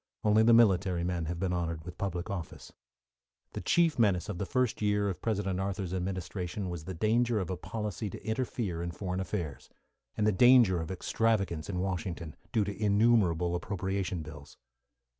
Only the military men have been honoured with public office. The chief menace of the first year of President Arthur's administration was the danger of a policy to interfere in foreign affairs, and the danger of extravagance in Washington, due to innumerable appropriation bills.